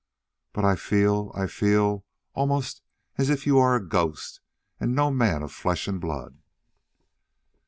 "But I feel I feel almost as if you are a ghost and no man of flesh and blood."